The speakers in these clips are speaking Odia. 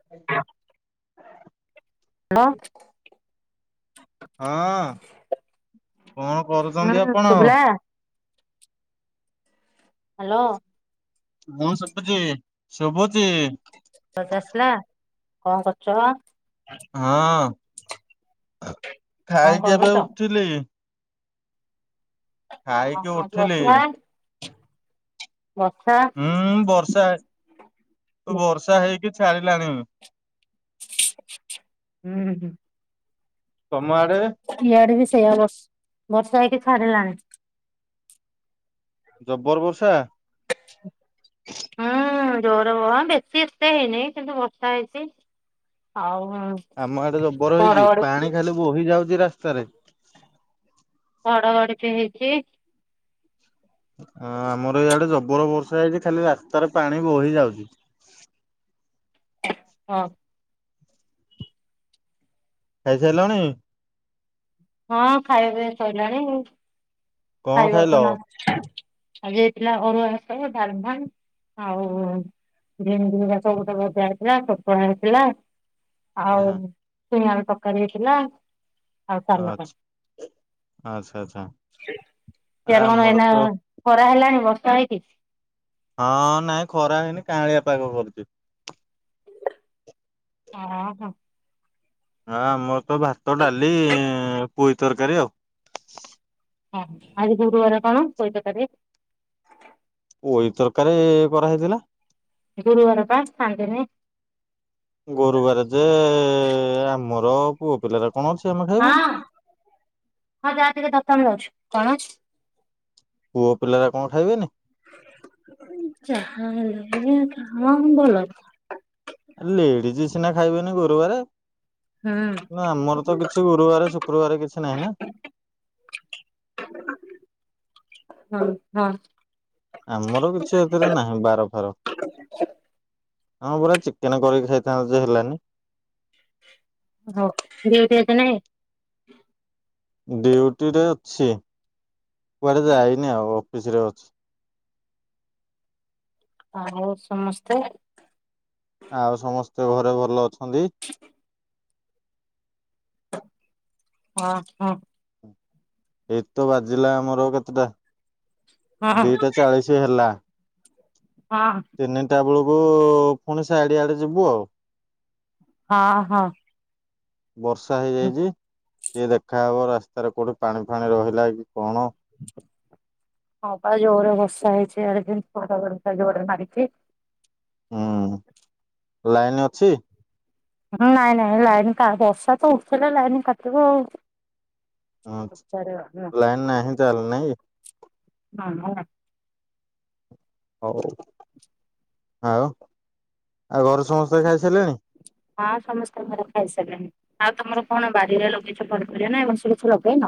ହ୍ୟୋଲୋ। ହଁ କଣ କରୁଚନ୍ତି ହୁଁ ଆପଣ। [inaudible] ଶୁଭିଲା ହ୍ୟାଲୋ। ମୁଁ ଶୁଭୁଚି ଶୁଭୁଚି। ଆବାଜ ଆସିଲା କଣ କରୁଚ। ହଁ କଣ ଖାଇକି ଏବେ କରୁଛ? ଉଠିଲି। ଅହୋ ଖାଇକି ଉଠିଲି ବର୍ଷା ବର୍ଷା ହୁଁ ବର୍ଷା ହୁଁ ବର୍ଷା ହେଇକି ଛାଡିଲାଣି। ହୁଁ ହୁଁ। ତମ ଆଡେ ଆଡେ ବି ସେଇଆ ବ ବର୍ଷା ହେଇକି ଛାଡ଼ିଲାଣି। ଜବର ବର୍ଷା। [unintelligible] ହୁଁ ଜର ବେଶୀ ପା ଏତେ ହେଇନି କିନ୍ତୁ ବର୍ଷା ହେଇଚି ଆଉ ଆମ ଏଡ଼େ ଜବର ହେଇଛି ଘଡଘଡି ପାଣି ଖାଲି ବୋହି ଯାଉଚି ରାସ୍ତାରେ। ଘଡ଼ଘଡ଼ି ବି ହେଇଚି। ଅ ଆମର ଇଆଡ଼େ ଜବର ବର୍ଷା ହେଇଚି ଖାଲି ରାସ୍ତାରେ ପାଣି ବହି ଯାଉଚି। [unintelligible] ହଁ। ଖାଇ ସାରିଲଣି। ହଁ ଖାଇବା ପିଇବା ସରିଲାଣି କଣ ଖାଇଲ? ଖାଇବାକୁ ତ ନାଗୁଚି ଆଜି ହେଇଥିଲା ଅରୁଆ ଭାତ ଡ଼ାଲମା ଆଉ ବିନ୍ ବିନ୍ ଇରା ସବୁ ଗୋଟେ ଭଜା ହେଇଥିଲା ଚଟଣି ହେଇଥିଲା। ଆଉ ସିମରେ ତରକାରୀ ହେଇଥିଲା। ଆଉ ସାଲଟ ଆଛା ଆଚ୍ଛା ଆଚ୍ଛା। ସିଆଡ଼େ କଣ ଆମର ଏଇନା ତ ଖରା ହେଲାଣି ବର୍ଷା ହେଇକି। ହଁ ନାଇଁ ଖରା ହେଇନି କାଁଳିଆ ପାଗ କରୁଚି। ଅହୋ। ହଁ ଆମର ତ ଭାତ ଡାଲି ପୋଇ ତରକାରୀ ଆଉ। ହ ଆଜି ଗୁରୁବାର କଣ ପୋଇ ତରକାରୀ। ପୋଇ ତରକାରୀ କରାହେଇଥିଲା। ଗୁରୁବାର ପା ଖାଆନ୍ତି ନି। ଗୋରୁବାର ଯେ ଏ, ଏ, ଏ, ଏ, ଆମର ପୁଅ ପିଲାର ହଁ ହଁ ଯାହା ଟିକେ ଧରିଥା ମୁଁ ଯାଉଚି କଣ ପୁଅ ପିଲାର କଣ ଖାଇବେନି। ଯାହା ହେଲେ ବି ହଁ ଭଲ ନୁହଁ। ଲେଡିଜ ସିନା ଖାଇବେନି ଗୁରୁବାରେ। ହୁଁ ନା ଆମର ତ କିଛି ଗୁରୁବାର ଶୁକ୍ରବାର କିଛି ନାହିଁ ନା। ହଁ ହଁ। ଆମର କିଛି ଏଥିରେ ନାହିଁ ବାର ଫାର। ହଁ ପୁରା ଚିକେନ କରିକି ଖାଇଥାନ୍ତୁଯେ ହେଲାନି। ହୋଉ ଡ୍ୟୁଟି ଆଜି ନାହିଁ? ଡ୍ୟୁଟି ରେ ଅଛି କୁଆଡେ ଯାଇନି ଆଉ। ରେ ଅଛି। ଆଉ ସମସ୍ତେ? ଆଉ ସମସ୍ତେ ଘରେ ଭଲ ଅଛନ୍ତି? ହଁ ହଁ। ଏଇତ ବାଜିଲା ଆମର କେତଟା? ହଁ ହଁ ଦିଟା ଚାଳିଶ ହେଲା ହଁ ତିନିଟା ବେଳକୁ ଯୁ ପୁଣି ସାଇଡ ଆଡେ ଯିବୁ ଆଉ। ହଁ ହଁ। ବର୍ଷା ହେଇଯାଇଛି। କିଏ ଦେଖାହବ? ରାସ୍ତାରେ କୋଉଠି ପାଣି ଫାଣି ରହିଲା କି କଣ? ହଁ ପା ଜୋରେ ବର୍ଷା ହେଇଛି ଇଆଡେ [unintelligible] ଜୋରେ ମାରିଛି। ହୁଁ, ଲାଇନ୍ ଅଛି? ନାଇଁ ନାଇଁ ଲାଇନ କା ବର୍ଷା ତ ଉଠେଇଲା ଲାଇନ କାଟିବ ଆଉ। ହଁ, ପଚାରିବ ହଁ ଲାଇନ ନାହିଁ ତାହେଲେ ନାଇକି। ହଁ ହଲା। ହଉ ଆଉ, ଆଉ ଘରେ ସମସ୍ତେ ଖାଇସାରିଲେଣି? ହଁ ସମସ୍ତେ ଘରେ ଖାଇସାରିଲେଣି, ଆଉ ତମର କଣ ବାଡ଼ିରେ ଲଗେଇଛ ପନିପରିବା ନା ଏ ବର୍ଷ କିଛି ଲଗେଇନ?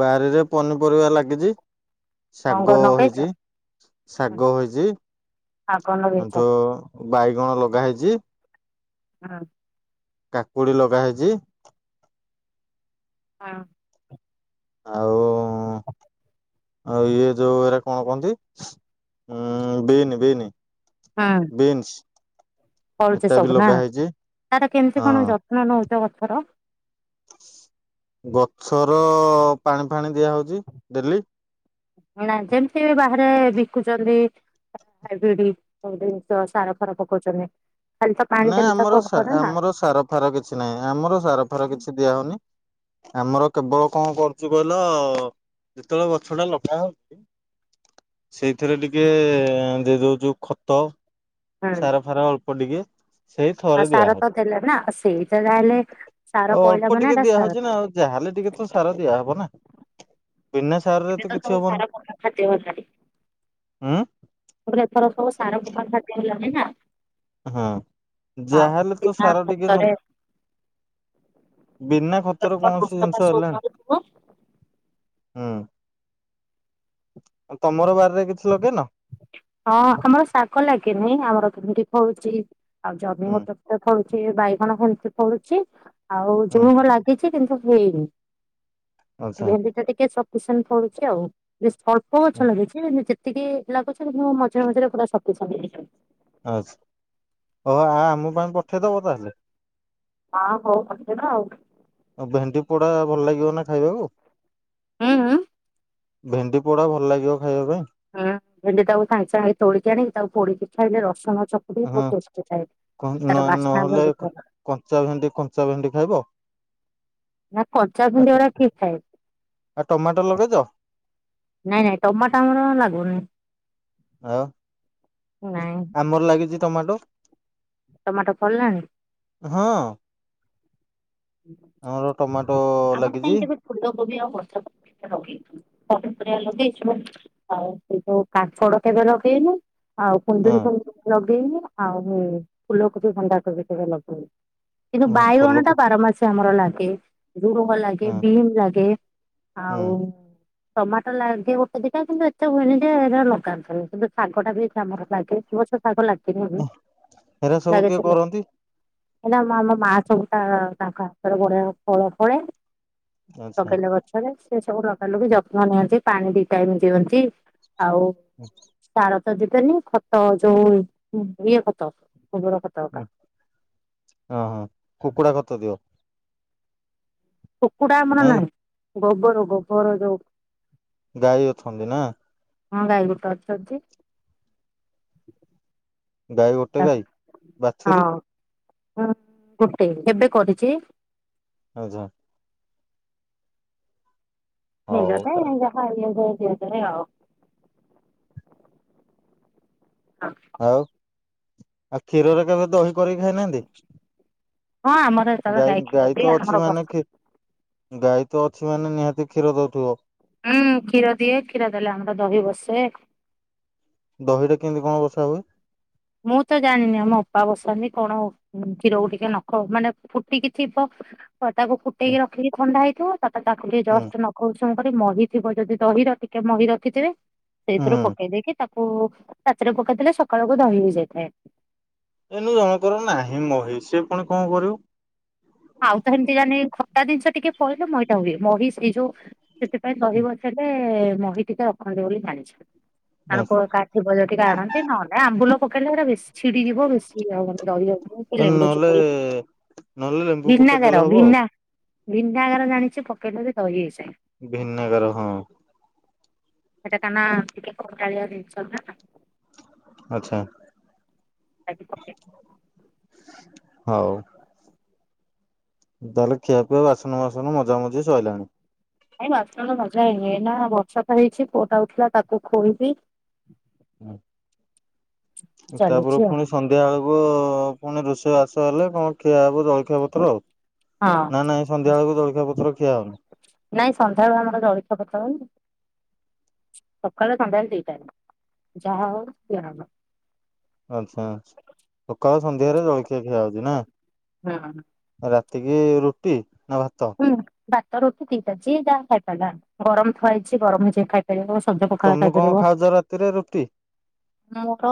ବାରିରେ ପନିପରିବା ଲାଗିଚି। କଣ ଶାଗ କଣ ଲଗେଇଛ? ହେଇଚି, ଶାଗ ହେଇଚି। ଆଉ କଣ ଲଗେଇଛ? ଆଠୁ ବାଇଗଣ ଲଗା ହେଇଛି। ହଁ। କାକୁଡି ଲଗା ହେଇଚି। ହଁ। ଆଉ ଆଉ ଇଏ ଯୋଉ ଏରାଆ କଣ କହନ୍ତି, ଉଁ ବିନ ବିନ। ହୁଁ ବିନ୍ସି। ଫଳୁଛି ସବୁ ନା, ତାର କେମିତି ହଁ। କଣ ଯତ୍ନ ନଉଛ ଗଛର? ଗଛର ପାଣି ଫାଣି ଦିଆହଉଛି ଡେଲି। ଯେମିତି ବି ବାହାରେ ବିକୁଛନ୍ତି ହାଇବ୍ରିଡ ଜିନିଷ ସାର ଫାର ପକଉଛନ୍ତି। ଖାଲି ତ ପାଣି ନା, ଦେଲେ ତ ଆମର କଣ ସା କରେ ନା ଆମର ସାର ଫାର କିଛି ନାହିଁ, ଆମର ସାର ଫାର କିଛି ଦିଆହଉନି। ଆମର କେବଳ କଣ କରୁଛୁ କହିଲ ଯେତେବେଳେ ଗଛ ଟା ଲଗା ହଉଚି। ସେଇଥିରେ ଟିକେ ଦେଇ ଦଉଛୁ ଖତ। ହୁଁ ସାର ଫାର ଅଳ୍ପ ଟିକେ। ସେଇ ଥରେ ଆଉ ଦିଆ ସାର ତ ଦେଲେ ନା ସେଇଟା ଯାହାହେଲେ ହଉଛି। ସାର ଆଉ ପଇଲା ଅଳ୍ପ ମାନେ ଟିକେ ଏଟା ଦିଆ ସାର ହଉଚି ନା ଆଉ। ଯାହା। ଟିକେ ତ ସାର ଦିଆହବ ନା। ବିନା ସାରରେ ଏବେ ତ କିଛି ସବୁ ହବନି। ସାର ପକା ଖାଦ୍ୟ ହେଲାଣି। ଉଁ ଏଥର ସବୁ ସାର ପକା ଖାଦ୍ୟ ହେଲାଣି ନା। ହଁ, ଆଉ ଯାହେଲେ ତ ବିନା ସାର ଟିକେ ନଉ। ଖତରେ ବିନା କେତେ ଖତର କୌ ଘାସ ଫାସ ଉପାଡୁଥିବ। ହୁଁ, ତମର ବାରିରେ କିଛି ଲଗେଇନ? ହଁ, ଆମର ଶାଗ ଲାଗେ ନି, ଆମର ଭେଣ୍ଡି ଫଳୁଚି, ଆଉ ଜହ୍ନି ହୁଁ। ଗୋଟେ ଗୋଟେ ଫଳୁଚୀ। ସେ ବାଇଗଣ ଫଳୁ ଫଳୁଚି ଆଉ ହୁଁ ଜଝୁଣଙ୍ଗ ଲାଗିଚି କିନ୍ତୁ ହେଇନି। ଆଚ୍ଛା ଭେଣ୍ଡି ଟା ଟିକେ ସପିଶେଟ୍ ଫଳୁଛି ଆଉ ସବୁ ଗଛ ହୁଁ, ଲଗେଇଚି କିନ୍ତୁ ଯେ ଟିକେ ଲାଗୁଛି ମୁଁ ମଝିରେ ମଝିରେ ପୁରା ଶକ୍ତିଶାଳି ହେଇଯାଉଚି। ଆଛା ହ ଆ ଆମ ପାଇଁ ପଠେଇଦବ ତାହେଲେ। ହଁ ହଉ ପଟେଇବା ଆଉ। ଆଉ ଭେଣ୍ଡି ପୋଡା ଭଲ ଲାଗିବ ନା ଖାଇବାକୁ। ଉଁ ଉଁ। ଭେଣ୍ଡି ପୋଡା ଭଲ ଲାଗିବ ଖାଇବା ପାଇଁ? ହୁଁ ଭେଣ୍ଡି ଟାକୁ ସାଙ୍ଗେ ସାଙ୍ଗେ ତୋଳିକି ଆଣିକି ତାକୁ ପୋଡିକି ଖାଇେ ରସୁଣ ଚକଟିକି ହଁ। ବହୁତ ଟେଷ୍ଟେ ଥାଏ। ତାର ନ ବାସ୍ନା ବି ନହେଲେ ବହୁତ ଭଲ କଞ୍ଚା ଭେଣ୍ଡି କଞ୍ଚା ଭେଣ୍ଡି ଖାଇବ। ନା କଞ୍ଚା ଭେଣ୍ଡି ଆଉ ଗରା କିଏ ଖାଏ। ଆଉ ଟମାଟୋ ଲଗେଇଛ [inaudible] [inaudible] ନାଇଁ ନାଇଁ ଟମାଟୋ ଆମର ଲାଗୁନି। ଆଉ ନାଇଁ [inaudible] ଆମର ଲାଗିଛି ଟମାଟୋ। ଟମାଟର ଫଳିଲାଣି। [inaudible] ହଁ ଆମର ଟମାଟୋ [inaudible] ଆମର କାଇଁ ଲାଗିଛି କେବେ ଫୁଦକୋବି ଆଉ ବନ୍ଧାକୋବି ଲାଗେଇନୁ। ଲଗେଇ ଆଉ ସେଇ ଯୋଉ କାଙ୍କଡ କେବେ ଲଗେଇନୁ। ଆଉ ହଁ। କୁନ୍ଦୁରି କେବେ ଲଗେଇନୁ ଆଉ ଫୁଲକୋବି ଭଣ୍ଡା କୋବି କେବେ ଲଗେଇନୁ। କିନ୍ତୁ ହଁ ବାଇଗଣ ଟା ଫୁଲକୋ ବାରମାସି ଆମର ଲାଗେ। ଝୁଡୁଙ୍ଗ ଲାଗେ ହଁ ବିମ୍ ଲାଗେ ହୁଁ ଆଉ ଟମାଟୋ ଲାଗେ ଗୋଟେ ଦିଟା କିନ୍ତୁ ଏତେ ହୁଏନି ଯେ ଲଗାନ୍ତୁନି ଶାଗ ଟା ବି ଆମର ଲାଗେ। ଏବର୍ଷ ଶାଗ ଲାଗିନି ବି ହେରା [inaudible] ସବୁ କିଏ ଲାଗିଯିବ। କରନ୍ତି [inaudible] ହେଲେ ଆମ ମା ସବୁଟା ତାଙ୍କ ହାତରେ ବଢିଆ ଫଳ ଫଳେ। ଆଚ୍ଛା। ଲଗେଇଲେ ଗଛରେ ସେ ସବୁ ଲଗାଇଲ କି ଯତ୍ନ ନିଅନ୍ତି ପାଣି ଦ ଟାଇମ ଦିଅନ୍ତି। ଆଉ ହୁଁ, ସାର ତ ଦେବେନି ଖତ ଯୋଉ ଇଏ ଖତ ଗୋବର ଖତ ହକା ହ ଓହୋ କୁକୁଡ଼ା ଖତ ଦିଅ। କୁକୁଡା ଆମର ନାଇଁ ନାହିଁ। ଗୋବର ଗୋବର ଯୋଉ ଗାଈ ଅଛନ୍ତି ନା। ହଁ ଗାଈ ଗୋଟେ ଅଛନ୍ତି। [inaudible] ଗାଈ ଗୋଟେ ଗାଈ ବାଛୁରୀ। ହଁ ଗୋଟେ ଏବେ କରିଚି। ଆଚ୍ଛା। ନିଜ ହଉ ପାଇଁ ତା ନିଜେ ଖାଇଲେ ଯୋଉ ଇଏ କରେ ଆଉ [inaudible] ଆଉ [inaudible] ଆଉ କ୍ଷୀରରେ କେବେ ଦହି କରିକି ଖାଇନାହାନ୍ତି? ହଁ ଆମର ଯେତେବେଳେ ଗାଈ କ୍ଷୀର ଗାଈ ଦିଏ ତ ଅଛି କ୍ଷୀ ଆମର [inaudible] ମାନେ ବସେ ଗାଈ ତ ଅଛି ମାନେ ନିହାତି କ୍ଷୀର ଦଉଥିବ? ହୁଁ କ୍ଷୀର ଦିଏ କ୍ଷୀର ଦେଲେ ଆମର ଦହି ବସେ। ଦହିଟା କେମିତି କଣ ବସା ହୁଏ? ମୁଁ ତ ଜାଣିନି ଆମ ଅପା ବସନ୍ତି କଣ କ୍ଷୀରକୁ ଟିକେ ନଖ ମାନେ ଫୁଟିକି ଥିବ ତ ତାକୁ ଫୁଟେଇକି ରଖିକି ଥଣ୍ଡା ହେଇଥିବ ତା ତାକୁ ଟିକେ ହୁଁ ଜଷ୍ଟ ନଖ ଉସ ଙ୍କରେ ମହି ଥିବ ଯଦି ଦହି ର ଟିକେ ମହି ରଖିଥିବେ ସେଇଥିରୁ ହୁଁ ପକେଇ ଦେଇକି ତାକୁ କୁ ରାତିରେ ପକେଇଥିଲେ ସକାଳକୁୁ ଦହି ହେଇଯାଇଥାଏ। ଏନୁ ଜଣକର ନାହିଁ ମହି ସି ପୁଣି କଣ କରିବୁ? ଆଉ ତ ଏମିତି ଜାନେ ଖଟା ଜିନିଷ ଟିକେ ପହିଲ ମଇଟା ହୁଏ ମହି ସେଇ ଯୋଉ ସେଥିପାଇଁ ଦହିବସିଲେ ମହି ଟିକେ ରଖନ୍ତି ବୋଲି ଜାଣିଛି। ଅଣକ କାହାର ଥିବ ଯଦିକା ଆଣନ୍ତି ନହେଲେ ଆମ୍ବୁଲ ପକେଇଲୋ ବେଶୀ ଛିଡିଯିବ ବେଶୀ ଆଉ ମାନେ ଦହୀ ନହଲେ ନହଲେ ଲେ ଭିନ୍ନାଗାର ଭିନା ଭିନ୍ନାଗାର ଜାଣିଛ ପକେଇ ଦେଲେ ଦହି ହେଇଯାଏ। ଭିନ୍ନାଗାର ହଁ। [inaudible] ସେଟା କାନା ଟିକେ କଟାଳିଆ ଜିନିଷ ନା। ଆଚ୍ଛା। [inaudible] ହଉ। ତାହେଲେ ଖିଆ ପିଆ ବାସନ ଭାସନ ମଜା ମଜି ସଇଲାଣି। ନାଇ ବାସ ମଜା ହେଇନି ଏଇନା ବର୍ଷା ତ ହେଇଛି ପୁଅ ଟା ଉଠିଲା ତାକୁ ଖୋଇବି। ହୁଁ। ତାପର ଚାଲିଛି ଆଉ ପୁଣି ସନ୍ଧ୍ୟା ବେଳକୁ ପୁଣି ରୋଷେଇ ବାସ ହେଲେ କଣ ଖିଆ ହବ ଜଳଖିଆ ପତ୍ର ଆଉ। ହଁ ନା ନାଇଁ ସନ୍ଧ୍ୟା ବେଳକୁ ଜଳଖିଆ ପତ୍ର ଖିଆ ହଉନି? ନାଇଁ ସନ୍ଧ୍ୟାବେଳୁ ଆମର ଜଳଖିଆ ପତ୍ର ସକାଳେ ସନ୍ଧ୍ୟାରେ ଦି ଟାଇମ ଯାହା ହଉ ସେଏ ହବ। ଆଛା ସକାଳ ସନ୍ଧ୍ୟାରେ ଜଳଖିଆ ଖିଆ ହଉଛି ନା। ହଁ ଏତିକି ରୁଟି ନା ଭାତ। ହୁଁ ଭାତ ରୁଟି ଦିଟା ଯିଏ ଯାହା ଖାଇ ପାରିଲା ଗରମ ଥୁଆ ହେଇଛି ଗରମ ହେଇଯିଏ ଖାଇ ଶଜ ପଖାଳ ତମେ କଣ ଖାଇପାରିବ। ଖାଉଛ ରାତିରେ ରୁଟି ମୋର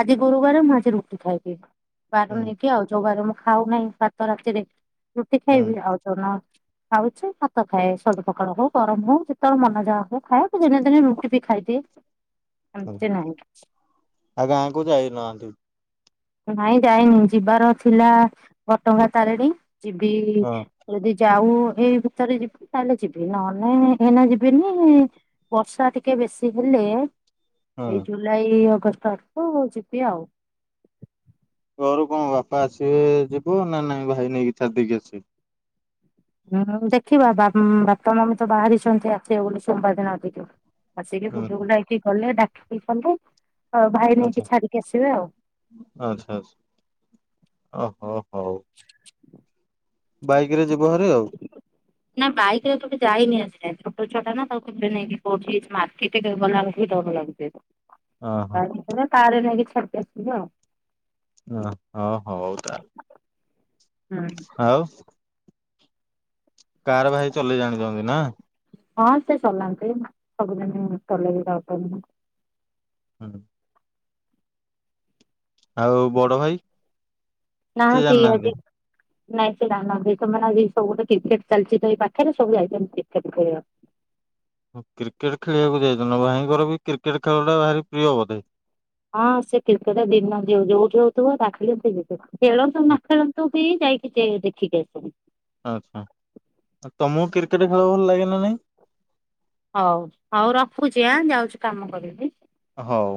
ଆଜି ଗୁରୁବାର ମଝିରୁ ଖାଇକି ବାର ହୁଁ ନେଇକି ଆଉ ଯୋଉ ବାର ମୁଁ ଖାଉ ନାହିଁ ଭାତ ରାତିରେ ରୁଟି ହୁଁ ଖାଇବି ଆଉ ଖାଉଛି ଭାତ ଖାଏ ସଜ ପଖାଳ ହଉ ଗରମ ହଉ ଯେତେବେଳେ ମନ ଯାହା ହଉ ଖାଏ ଦିନେ ଦିନେ ରୁଟି ବି ଖାଇଦିଏ। ହ ଏମିତି ନାହିଁ। ଆ ଗାଁ କୁ ଯାଇନାହାନ୍ତି ନାଇଁ ଯାଇନି ଯିବାର ଥିଲା ଘଟଗା ତାରିଣୀ ଯିବି ହଁ ଯଦି ଯାଉ ହେଇ ଭିତରେ ଯିବି ତାହେଲେ ଯିବି ନହେଲେ ଏଇନା ଯିବିନି ବର୍ଷା ଟିକେ ବେଶୀ ହେଲେ ଥିଲା ଏଇ ହୁଁ ଜୁଲାଇ ଅଗଷ୍ଟ ଆଠକୁ ଯିବି ଆଉ। ଘରୁ କଣ ବାପା ଆସିବେ ଯିବୁ ନା ନାଇଁ ଭାଇ ନେଇକି ଛାଡି ଦେଇକି ଆସିବେ। ହୁଁ ଦେଖିବା ବାପ ବାପା ମାମି ତ ବାହାରିଛନ୍ତି ଆସିବେ ବୋଲି ସୋମବାର ଦିନ ଟିକେ। ଆସିକି ହୁଁ ବୋଲୁ ବୋଲା କି ଗଲେ ଡାକି କି ଗଲେ ଆଉ ଭାଇ ନେଇକି ଆଚ୍ଛା ଛାଡିକି ଆସିବେ ଆଉ। ଆଚ୍ଛା ଆଚ୍ଛା ଓହୋ ହୋ ହଉ । [inaudible] ବାଇକ ରେ ଯିବ ଭାରେ ଆଉ। ନା ବାଇକ ରେ ତକେ ଯାଇନି ଆଜି ଯାଏ ଛୋଟ ଛୁଆ ଟା ନା ତାକୁ କେବେ ନେଇକି କଉଠି ମାର୍କେଟ ଗ ଓହୋ ଗଲାବେଲ କାର ରେ ନେଇକି ଛାଡି ଦେବ ବେ ଆଉ। ହ ହଁ ହଉ ତା ହୁଁ। ଆଉ କାର ଭାଇ ଚଲେଇ ଜାଣିଛନ୍ତି ନା? ହଁ ସେ ଚଲାନ୍ତି ସବୁଦିନେ ଚଲେଇକି ଯାଉଚନ୍ତି। ହୁଁ। ଆଉ ବଡ ଭାଇ ସେ ନାହାନ୍ତି ଆଜି ଜାଣିନାହାନ୍ତି। ନାଇଁ ସେ ଜାଣିନାହାନ୍ତି ତ ମାନେ ଆଜି [unintelligible] କ୍ରିକେଟ ଚାଲିଛି ତ ଏଇ ପାଖରେ ସବୁଏ ଯାଇଚନ୍ତି କ୍ରିକେଟ ଖେଳିବାକୁ। କ୍ରିକେଟ ଖେଳିବାକୁ ଯାଇଥିଲ ନା ଭାଇଙ୍କର ବି କ୍ରିକେଟ ଖେଳ ଟା ଭାରି ପ୍ରିୟ ବୋଧେ। ହଁ ସେ କ୍ରିକେଟ ଦିନ ଯ ଯୋଉଠି ହଉଥିବ ତାଠିକି ସେ ଯିବେ ଖେଳନ୍ତୁ ନା ଖେଳନ୍ତୁ ଠି ଯାଇକି ସେ ଦେଖିକି ଆସନ୍ତି ଆଛା ତମକୁ କ୍ରିକେଟ ଖେଳ ଭଲ ଲାଗେ ନା ନାଇଁ? ହଉ ହଉ ରଖୁଛି ଆ ଯାଉଛି କାମ କରିବି। ହଉ।